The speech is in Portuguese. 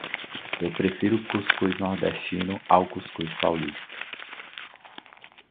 Eu prefiro o cuscuz nordestino ao cuscuz paulista.